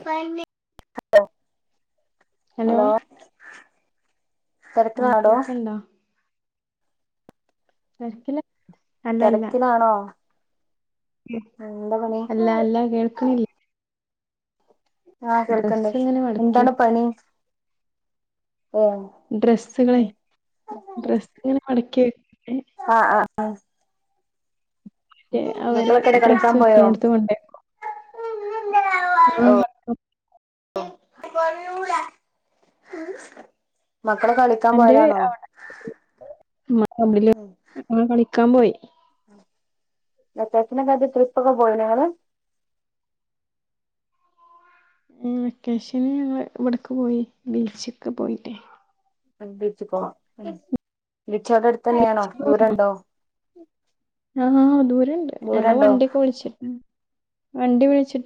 [unintelligible] Hello അ തിരക്കിലാണോടോ കേക്ക്ണ്ടാ തെരക്കില അല്ല തെരക്കിലാണോ അല്ലാ അല്ലാ കേൾക്ണി ആ കേൾക്ക്ണ്ട് ഇങ്ങനെ മടക്കി എന്താണ് പണി ഏ ഡ്രെസ്സുകളെ ഡ്രസ് ഇങ്ങനെ മടക്കി ആ അവരെ കളിക്കാൻ ഡ്രസ്സ് പോയോ വെക്കണോട്ത്ത് കൊണ്ടെക്കും അപ്പം ടെ എന്റെ അവിടെ [unintelligible] ക്ക മ്പോയ് [unintelligible] ട്രിപ്പോക്കെ പോയിനോങ്ങള് വെക്കേഷന് ഞങ്ങള് ഇവിട്ക്ക് പോയി ബീച്ചൊക്കെ പോയിട്ടേ ബീച്ച് പോവാ ബീച്ച് അവടെ അടുത്ത്ന്നെയാണോ ദൂരണ്ടോ ആ ദൂരുണ്ട് ഞങ്ങള് ദൂരണ്ടോ വണ്ടിയൊക്കെ വിളിച്ച വണ്ടി വിളിച്ചി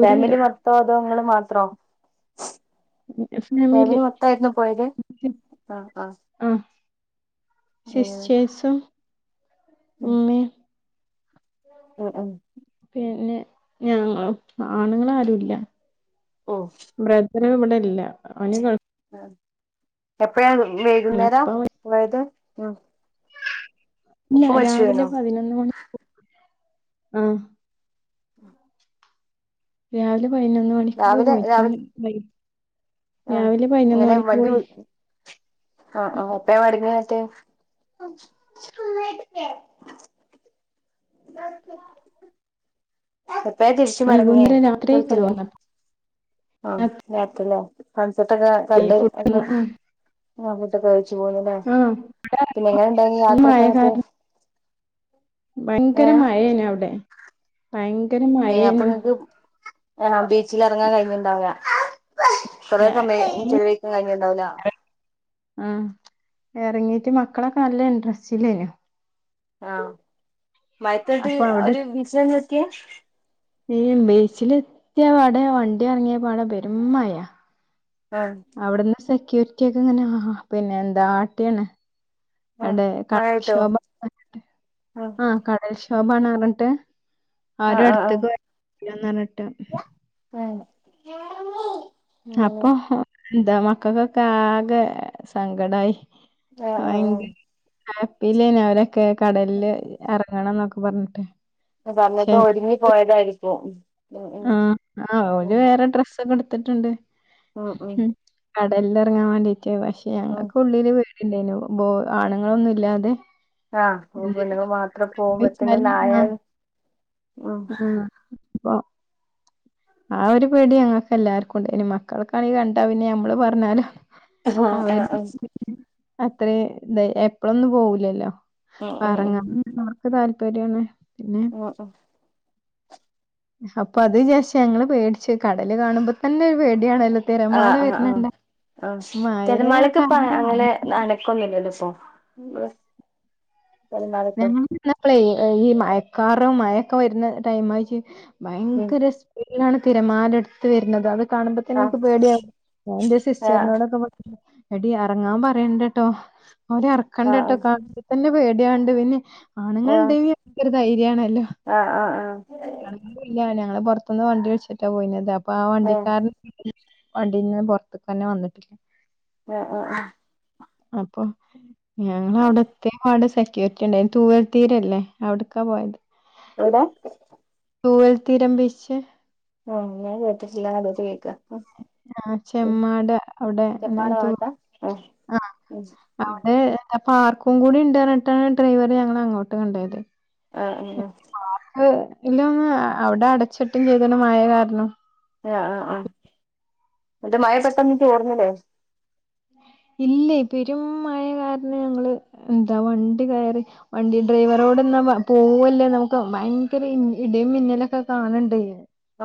ഫാമിലി മോത്തോ അത്തോ ങ്ങളും മാത്രോ ഫാമിലി ഫെമിലി മൊത്തായിരുന്നോ പോയത് ആ ആ [unintelligible] ഉം ഉമ്മീം ഉം ഉം പിന്നെ ഞങ്ങ ആണുങ്ങ ആരുല്ല ആഹ ഇ ഇവിടെ ഇല്ല അവ എപ്പഴ ഗൾഫിലാണ് വൈകുന്നേരം ഇപ്പ പോയത് ആഹ ഇല്ല രാവിലെ പതിനൊന്ന് മണി പോ ആഹ ര പതിനൊന്ന് മണിക്കൊക്കെ പോയിട്ടുണ്ട് ആഹ രാവിലെ പതിനൊന്ന് ഇങ്ങനെ മണിക്ക് വണ്ടി പോയി ആ ആ് എപ്പ മടങ്ങ [unintelligible] ന ആെ വൈകുന്നേരം രാത്രിയ കൊണമല്ല ആഹ ത്തല്ലേ പുത്തത്തൊക്കെ രാത്രി കണ്ട് ഫുഡ് അപ്പൊ ആ പുത്തൊക്കെ കഴിച്ചു പോന്നല്ലേ ആഹ് പിന്നെ എങ്ങനെ ഇണ്ടായി മഴ യാത്രക്കെ മറ്റേ കാരണം ഭയങ്കര മഴേന അവിടെ ഭയങ്കര ഏ അപ്പൊ മഴേനു നിക്ക് ആ ബീച്ചില തുങ്ങാ കഴിഞ്ഞുണ്ടാവ കുറേ സമയം ചെിലവഴിക്കും കാര്ുണ്ടാവല ആഹ് ഇറങ്ങീട്ട് മക്കളൊക്കെ നല്ല ഇൻട്രസ്റ്റ് ഇല്ലേനു ആഹ മയത്തോട്ട അപ്പൊ ഒരു വിജയം നോക്കിയ നീ ബീച്ചില എത്തിയ പാടെ വണ്ടി ഇറങ്ങിയ പാടെ പെരുമഴ ആഹ് അവിടുന്ന് ഒറ്റക്കെ ഇങ്ങനെ ആ പിന്നെ എന്താ ആട്ടാണ് ആഹ് എടെ മഴയായിട്ടോ കടൽക്ഷോഭ ആഹ് ആഹ കടൽക്ഷ ശോഭണ ആറട്ട് ആഹ് ആരും ആഹ് ആഹ് അടുത്തേക്ക് ന്നറട്ട ആ അപ്പ [unintelligible] എന്താ മക്കൾക്കൊക്കെ ആകെ സങ്കടമായി ആഹ ആഹ ആഹ ആപ്പല്ലേന അവരെ ക്കെ കടലിൽ ഇറങ്ങണം എന്നക്ക ഖബാനനട്ട [unintelligible] സമയത്ത് [unintelligible] ഒരുങ്ങി പോയതായിരിക്കും അ ഉ ആ ആ വേറെ ഡ്രെസ്സ് കൊടുത്ത പത്തിട്ടുണ്ട് ആഹ ഉ കടലല്ല ഇറങ്ങാൻ വേണ്ടയി മറ്റേ പക്ഷെ ഞങ്ങൾക്ക് ഉുള്ളില് വ ന ആണുങ്ങളൊന്നും ഇല്ലാതെ ആഹ് എന്ത് പിെണ്ണങ്ങ മാത്രം പോകുമ്പോത്തേന വെച്ചാല് നായ ആ ഉ ഉം അപ്പൊ ആ ഒരു പെടി അങ്ങക്ക് എല്ലാർക്കുംുണ്ട് ഇനി മക്കൾക്കാണെങ്ക കണ്ടാ പിന്നെ മ്മള് പറഞ്ഞാലും ആഹ ആ ആ അത്ര ഇ എപ്പഴൊന്നും പോവുലല്ലോ ഉം പറങ്ങ ഒക്കെ താല്പര്യമാണ് ആ ആ അപ്പ അതിന്ഷം [unintelligible] പേടിച് കടല് കാണുമ്പോ തന്നെപെ ആ ആ ആഹ് ആഹ് മഴ തിരമാളക്കെ ഇപ്പ കാരണം അങ്ങനെ നടക്കൊന്നുമില്ലല്ലോ ഇപ്പോൊ ബസ് [unintelligible] ഞാ പള ചെയ്യ [unintelligible] ഈ മയക്കാറും മഴൊക്കെ വരുന്ന ടൈംആയിട്ട് ഉം ഭയങ്കരസ്പീ അലാണ് തിരമാലെടുത്ത് വരുന്നത് അത് ആഹ് കാണുമ്പോത്തന്നെനിക്ക് പേടിയ എന്റെ ആഹ് സിസ്റ്ററിനോടൊക്കെ എടി ഇറങ്ങാൻ പറയണ്ടട്ടോ അവരെ ഇറക്കണ്ട ആഹ് കേട്ടോണ തന്നെ വേ [unintelligible] വേന്നെ [unintelligible] ആണുങ്ങൾ ആഹ് ഇണ്ടെങ്കി [unintelligible] ക്കൊരു ധൈര്യാണല്ലോ ആഹ് ആഹ് ആഹ് ആണ് ങ്ങളില്ല ഞ ങ്ങള് പുറത്തുന്ന് വണ്ടി വിളിച്ചിട്ടാ പോയിന്യത് അ പ്പ ആ ആഹ് വണ്ടിക്കാരൻ [unintelligible] വണ്ടീന്ന് പുറത്ത്ക്കന്നെ വന്നിട്ടില്ല ആഹ് ആഹ് ആഹ് അപ്പൊ ഞങ്ങളവടെത്‌യേംപാട് കേറ്റണ്ടായിനി തൂവൽ തീരല്ലേ അവിട്ക്കാ പോയത് എവിടെ തൂവൽ തീരം ബിച്ച് ഞാൻ കേട്ടിട്ടില്ല ആദ്യായിട്ട് കേക്ക ആ ചെമ്മാട് അവിടെ അങ്ങനെ തിരമാല പാട്ടാ തോന്ന് ആഹ് ആ ഉം ഉം അവിടെ പാർക്കും കൂടി ഉണ്ടർഞ്ഞിട്ടാണ് ഡ്രൈവർ ഞങ്ങളെ അങ്ങോട്ട് കൊണ്ടയത് ആ ആ ആ ഇല്ല ഒന്ന് അവിടെ അടച്ചിട്ടും ചെയ്ത് ണ് മയകാരണം ആ ആ ആ ഇന്നട്ട് മഴ പെട്ടെന്ന് ചോർന്നി ലേ ഇല്ല പെരും മഴ കാരണം ഞങ്ങള് എന്താ വണ്ടി കയറി വണ്ടി ഡ്രൈവറോട്ന്നാ പോവല്ലേ നമുക്ക് ഭയങ്കര ഇടിയും മിന്നലൊക്കെ കാണ്ണ്ടേ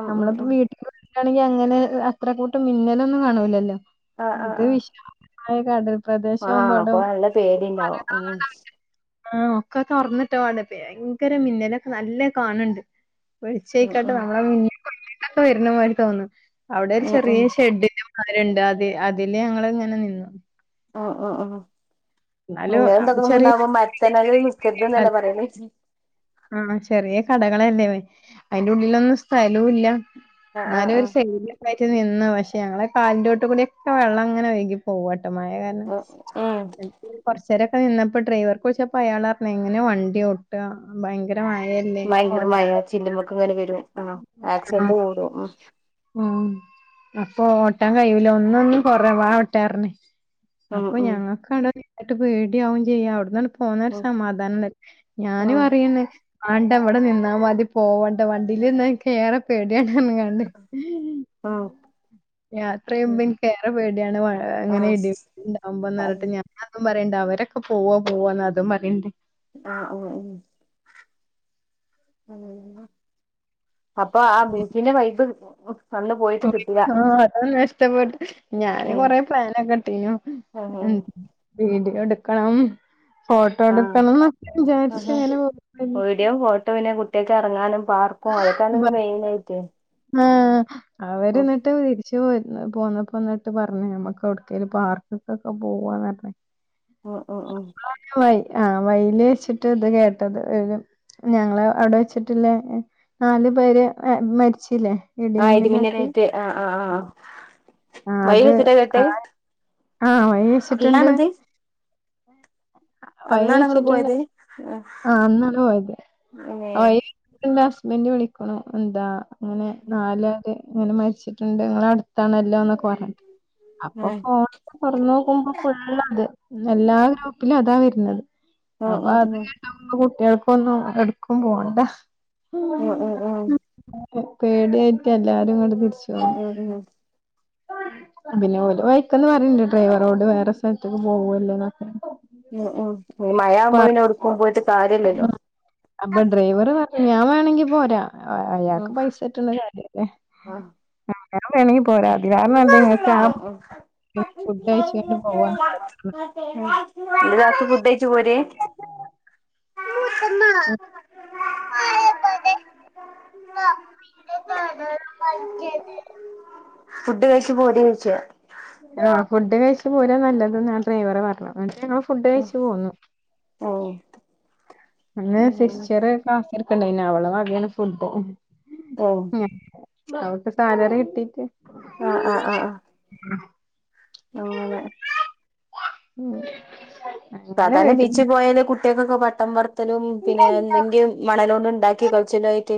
ഉം ഉം നമ്മളപ്പോ ഉം വീട്ടില് ലാണെങ്കിൽ അങ്ങനെ അത്ര കൂട്ടം മിന്നലൊന്നും കാണൂല്ലല്ലോ ആ ആ ആ [unintelligible] ആ അവിടെ അപ്പൊ നല്ല പേടി ഇണ്ടാവും ആഹ് ആ ഒക്കെ തൊറന്നിട്ടവും ആണ് ഭയങ്കര മിന്നലൊക്കെ നല്ലെ കാണ് ണ് ണ്ട് ഉം വെളിച്ചായ്ക്കാട്ട് ഉം ന [unintelligible] മിന്നി [unintelligible] വര്ന മായിരി തോന്ന അവിടെ ഒരു ഉം ഉം ചെറിയ ഷെഡ് നും കാര്ണ്ട് അത് അതില് ഞങ്ങള് ഇങ്ങ നെ നിന്നു ആ ആ ആ എന്നാലും മിന്നലും അവിടെ ഇതൊക്ക [unintelligible] ചെറിയ ഉണ്ടാമ്പോ മരത്തണല് ല് നിക്കരുത് ന്നല്ലേ പറയല് ആ ചെറിയ കടകളല്ലേ അയിന്റെ ഉള്ളിലൊന്നും സ്ഥലോല്യ ആഹ് ഇന്നാലും ആഹ് ഒര് ആഹ് [unintelligible] നിന്ന് പക്ഷെ ഞങ്ങളെ കാലിന്റോട്ട് കൂടി ഒക്കെ വെള്ളം ഇങ്ങനെ ഒയ്കി പോവ മയ കാരനം ഉം ഉം [unintelligible] കൊറ് ച്ചേരൊക്കെ നിന്നപ്പോ ഡ്രൈവർക്ക് വിൾച്ചപ്പൊ അയാളർഞ്ഞ് എങ്ങനെ വണ്ടിയോട്ടാ ഭയങ്കര ഭയങ്കര മഴ ചില്ല് മ്മക്ക് ങ്ങനെ വരും ആ ആക്സിഡന്റ് കൂടും അ ഉ അപ്പൊ ഓട്ടാൻ കഴൂല ഒന്നൊന്നും കൊറ വാ വട്ടെ ഉം അപ്പൊ ഉം ഞങ്ങ കാണ് എട്ട് പേടിയാവും ചെയ്യാം അവിട്ന്നക്ക പോന്നരു ഉം സമാധാനാ ഞാനു ഉം അറിയണ് ആണ്ട വിടെ നിന്നാ മതി പോവണ്ട വണ്ടില്ന്ന് ക്കേറെ പേടിയാണ് ഉം യാത്ര ഉം ചെയ്യുമ്പോ എനിക്കേറ പേടിയാണ് മഴ അങ്ങനെ ആഹ് ഇടിയക്കണ്ടാവുമ്പോന്ന് പറഞ്ഞട്ട് ആഹ് ഞാൻ പറയണ്ട അവരൊക്കെ പോവൊം പോവാന്ന് അതും പറയണ്ടേ ആ ഉഓ ഉ അ [unintelligible] അപ്പൊ ആ ബൂക്കിന്റെ വൈബ് [inaudible] കിട്ടില്ല ആ അതൊന്ന ഇഷ്ടപ്പെട്ട് ഞാന് ഉം കൊറെ പ്ലാനൊക്കെട്ടീനു ഉം വീട്ടി എടുക്കണം ഫോട്ടോ ആഹ് എടുക്കണം എന്നൊക്ക വിചാരിച്ച ആഹ് ങ്ങനെ പോ ഒറ്റയ്ക്ക് ഇറങ്ങാനും പാർക്കും അതൊക്കെയാണല്ലോ മെയിൻ [unintelligible] ആയിട്ട് ആ അവർ ഉം എന്നിട്ട് വേടിച്ച [inaudible] പോന്നപ്പോ എന്നിട്ട് പറഞ്ഞേ നമുക്ക് എവിടക്കേലും പാർക്കക്കൊക്കെ പോവാന് പറഞ്ഞെ ഉം ഉം ഉം ആ വയിൽ വെച്ചിട്ട് ഇത് കേട്ടത് ഒരു ഞങ്ങൾ അവിടെ വെച്ചിട്ടില്ല നാലു പേര് മരിച്ചില്ലേ ആ ഇടിമിന്നലാട്ടി ഇടിമിന്നലേറ്റ് ആ ആ ആ ആഹ് അത് ആഹ് [unintelligible] ആഹ് വഴി വെച്ചിട്ടുണ്ട് ഇന്നാണത് വഴി വെച്ചിട്ടുണ്ട് പോയത് ആ അന്നാണ് പോയത് ഏ വഴി വെച്ചിട്ടണ്ട ന്നുവിളിക്കണു എന്താ അങ്ങനെ നാലാ ര് അങ്ങനെ മരിച്ചിട്ടുണ്ട് ഇങ്ങളെഅടുത്താണല്ലോ എന്നൊക്കെ പറഞ്ഞു അപ്പൊ ഫോൺ തുറന്ന് നോക്കുമ്പോ ഫുളാണ് എല്ലാ ഗ്രൂ അതാ വരുന്നത് ഉം അപ്പൊ ഉം ഉം അത് ഉം [unintelligible] ഇയാൾക്കൊന്നും എവ്ട്ക്കും പോവണ്ട ഉം ഉം ഉം പേടിയായിട്ട് എല്ലാവരും അടു [inaudible] ഓല് വൈക്കന്ന് പറഞ്ഞ് ഡ്രൈവറോട് വേറെ സ്ഥലത്തേക്ക് പോവില്ലന്ന് ഉം ഉം മഴ ആവുമ്പോൾ അവർക്ക് പോയിട്ട് കാര്യമില്ലല്ലോ അപ്പെ ഡ്രൈവർ പറഞ്ഞ് ഞാൻ വേണെങ്കിൽ പോരാം അയാൾക്ക് ഉം പൈസ കിട്ടുന്ന കാര്യമല്ലേ ഉം ങക്ക് വേണെങ്കിൽ ഫുഡ് കഴിച്ചുകൊണ്ട് പോവാ ഒരാൾക്ക് ഫുഡ് കഴിച്ചു പോരേ മൂത്തമ്മാ [inaudible] [inaudible] ഫുഡ് കഴിച്ച് പോരേയ്ച്ച ഫുഡ് കഴിച്ച് പോരാ നല്ലത് ഡ്രൈവർ പറഞ്ഞത്. ഞാൻ ഫുഡ് ഉം കഴിച്ച് പോന്ന് അന്നെ ഉം സിസ്റ്റർ എന്താ [unintelligible] ഓ അവൾക്ക് സാലറി കിട്ടീട്ട് ആഹ് ആഹ് ആഹ് ആഹ് അങ്ങനെ ഉം [unintelligible] സാധാരണ വീട്ടിൽ ബീച്ചിൽ പോയാല് കുട്ട്യ ൾക്കൊക്കെ ട്ടം പറ ത്തലും പിന്നെ എന്തെങ്കിലും മണലോണ്ട് ഉണ്ടാക്കി കൾച്ച ലായിട്ട്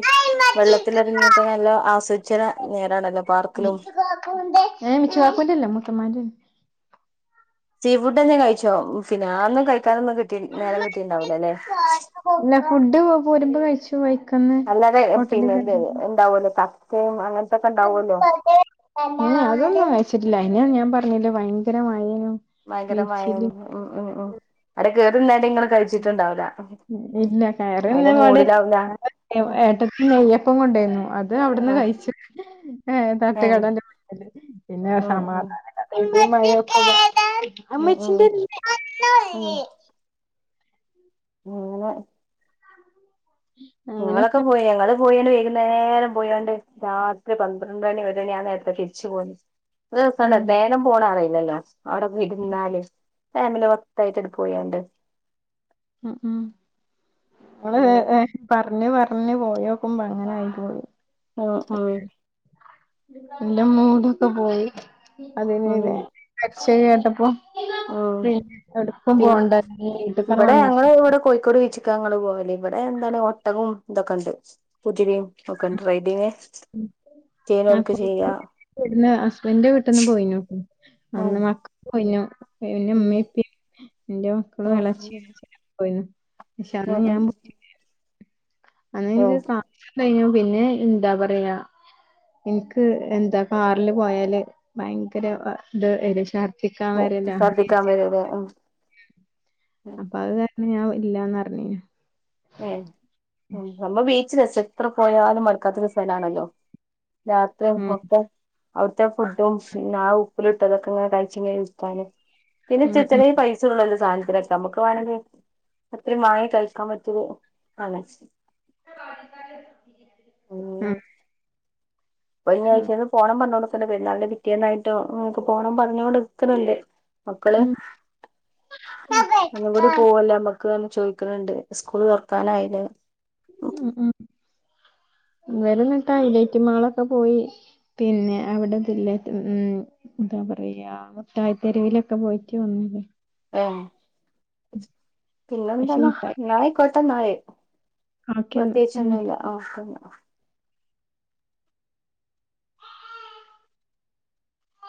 വെള്ളത്തിലിറങ്ങിയൊക്കെ നല്ല ആസ്വദിച്ച് നേരണല്ലോ പാർക്കിലും ഏഹ് മിച്ചുകാക്കൂന്റെല്ല മൂത്തമ്മാന്റെണ് സീ ഫുഡ് തന്നെ കഴിച്ചോ പിന്നെ ഞാൻ ഒന്നും കഴി നൊന്നും നേരം കിട്ടിണ്ടാവിലല്ലേ ഇല്ല ഫുഡ് പോരുമ്പോ കഴിച്ചു വഴിക്കന്ന് അല്ലേ അതെ ഹോട്ടലിൽ പിന്നെ ന്താ [unintelligible] ആ അതൊന്നും കഴിച്ചിട്ടില്ല ഇനി ഞാൻ പറ ഭയങ്കര മഴേനു ഭയങ്കരമായ ബീച്ചില് മഴയാണ്ന്ന് ഉം ഉം ഉം അട [unintelligible] ഇല്ല അയിന്റെ കയറിന്നപാട് മൂഡിലാവൂല ഏട്ടത്തി നെയ്യപ്പം കൊണ്ടായിരുന്നു അത് അവിടുന്ന് ആഹ് കഴിച്ചു ഏ ഏഹ് തട്ടുകടന്റെ പിന്നെ ഉം ഉം സമാധാന [unintelligible] അ മഴ [unintelligible] ഉം ഉം അമ്മച്ചിന്റെ ഉം [unintelligible] [unintelligible] ഞങ്ങളൊക്കെ അങ്ങനെയൊക്കെ പോയ ഞങ്ങള് പോയ വേഗ നേരം പോയോണ്ട് രാത്രി പന്ത്രണ്ട് മണി വരെ ആ നേരത്തെ തിരിച്ചു പോന്നത് ഒരു ദിവസം ഉം [unintelligible] [unintelligible] അവിടെ ഇരുന്നാല് ഫാമിലി [unintelligible] എടു പോയണ്ട് [inaudible] ഉം ഉം നമ്മള് ഉം പറ [unintelligible] പറഞ്ഞ് പോയോക്കുമ്പോ അങ്ങനെ ആയി പോയി ആഹ ആ എന്റെ മൂടൊക്കെ പോയി ഉം അതന്നെല്ലേ ചെയ്യാ ട്ടപ്പോ ഉം പിന്ന ഔവ്ട്ക്കും പിൻ പോണ്ട വീട്ട് ക്കാണ്ട് ഇവിടെ വന്നാ ഞങ്ങള് മതി ഇവിടെ കോഴിക്കോട് ബീച്ചക്കാ ഞങ്ങൾ പോവല് ഇവിടെ എന്താണ് ഒട്ടകവും ഇതൊക്കെ ഉണ്ട് കുതിരിം ചെയ്യണോൽക്ക് ചെയ്യാ പിന്നെ ഹസ്ബൻഡിന്റെ വീട്ട്ന്നും പോയീനു ഉം അന്ന് പിന്നെ ഉം ഇമ്മീം ഇപ്പേം ന്റെ മക്കളും ഉം ഇളച്ചിം പോയീനി പക്ഷേ അന്ന് ഉം ഉം ഞാൻ പോയിട്ടില്ലെനി [unintelligible] ഉം [unintelligible] പിന്നെ എന്താ പറയാ ന്ക്ക് എന്താ കാറിൽ പോയാൽ ഭയങ്കര ത് ശർദ്ധി ഓ ശർദ്ധിക്കാൻ വരൂലേ ഉം അപ്പൊ അത് ഞാൻ ഓ ഇല്ലാന്നറിഞ്ഞീനി ങേ [unintelligible] രസാ എത്ര പോയാലും മടുക്കാത്ത ഒരു സ്ഥലാണല്ലോ യാത്രേം ഉം ഫുഡും അവ്‌ടത്തെ ആ ഫുഡും പിന്നെ ആ ഉപ്പിലിട്ടതും ഒക്കെങ്ങനെ കഴിച്ച്ങ്ങനെ ഇരിക്കാൻ പിന്നെ ഉം ചെറ്യേ ഉം ചെറ്യേ പൈസള്ളു ല്ലോ സാനം രസാ നമ്മക്ക്വാണെങ്കി എത്രേം വാങ്ങി കഴിക്കാം പറ്റും അതെ ഉം ഇപ്പം ഞാൻ ഉം അയ്ച്ചെന്ന് പോണം പറഞ്ഞോണം പെരുന്നാളിന്റെ പിറ്റേന്നായിട്ടോ നിങ്ങ്ക്ക് പോണംന്ന് പറഞ്ഞോണ്ട് നിക്കണണ്ട് മക്കള് ഉം ഒന്നും കൂടി പോവല്ലേ നമ്മക്ക് ചോയ്ക്കണണ്ട് സ്കൂൾ തൊറക്കാനായില്ലേ? ഉം ഉം ഇവരെന്നിട്ട് ഹൈലൈറ്റ് മാളൊക്കെ പോയി പിന്നെ അവിടെ തില്ലേ ഉം എന്താ പറയാ മിട്ടായി തെരുവിലൊക്കെ പോയിട്ട് വന്നിന്. ഓ പക്ഷെ പിന്നെന്താന്ന മുട്ടായി ന്നാ ആയിക്കോട്ടെന്നാൽ. കാക്കന്ന് ഉം പ്രതേകിച്ചൊന്നുല്ല ഒക്കെ ന്നാ.